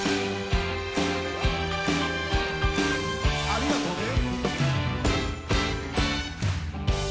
ありがとね！